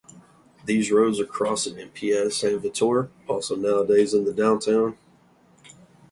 These roads are crossing in piazza San Vittore, also nowadays in the downtown.